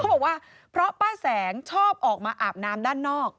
บอกว่าเพราะป้าแสงชอบออกมาอาบน้ำด้านนอก